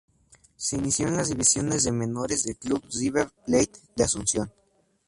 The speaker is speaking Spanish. Se inició en las divisiones de menores del Club River Plate de Asunción.